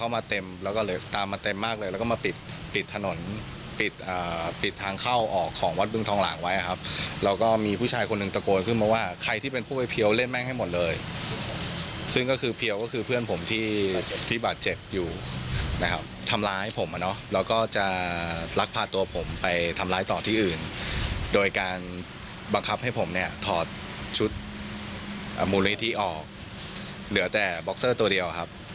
บังคับให้ผมถอดชุดมูลวิธีออกเหลือแต่บ็อกเซอร์ตัวเดียวครับ